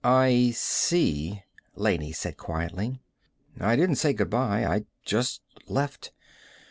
"I see," Laney said quietly. "I didn't say good bye. I just left.